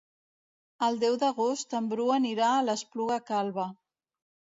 El deu d'agost en Bru anirà a l'Espluga Calba.